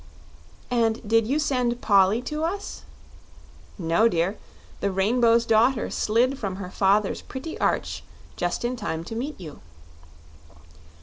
"And did you send Polly to us?" "No, dear; the Rainbow's Daughter slid from her father's pretty arch just in time to meet you."